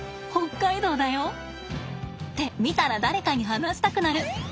北海道だよ。って見たら誰かに話したくなる！